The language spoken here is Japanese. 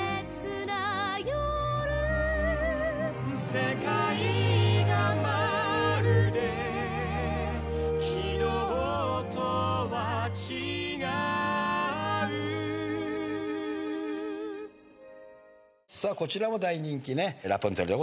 「世界がまるで昨日とは違う」さあこちらも大人気ね『ラプンツェル』でございました。